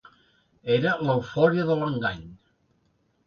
Era l'eufòria de l'engany.